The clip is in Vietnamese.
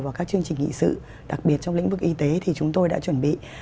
vào các chương trình nghị sự đặc biệt trong lĩnh vực y tế thì chúng tôi đã chuẩn bị